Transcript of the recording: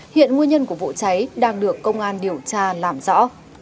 hiện nguyên nhân của vụ cháy đang được công an điều tra làm rõ